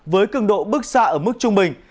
với cường độ bước xa ở mức trung bình